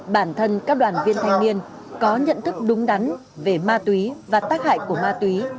bản thân các đoàn viên thanh niên có nhận thức đúng đắn về ma túy và tác hại của ma túy